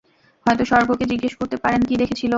হয়তো স্বর্গকে জিগ্যেস করতে পারেন কি দেখেছিল।